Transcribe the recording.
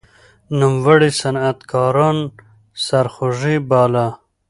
نوموړي صنعتکاران سرخوږی باله.